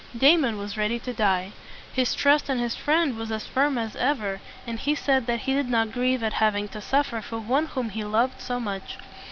Damon was ready to die. His trust in his friend was as firm as ever; and he said that he did not grieve at having to suffer for one whom he loved so much.